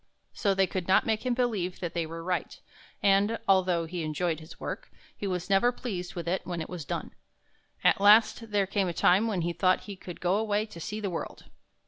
So they could not make him believe that they were right, and, although he enjoyed his work, he was never pleased with it when it was done. At last there came a time when he thought he could go away to see the world.